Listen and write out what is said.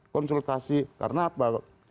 konsultasi karena apa